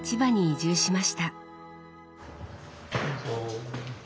どうぞ。